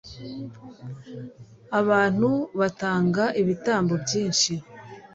Abantu batanga ibitambo byinshi